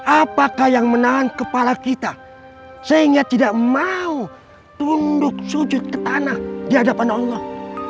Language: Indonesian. apakah yang menahan kepala kita sehingga tidak mau tunduk sujud ke tanah di hadapan allah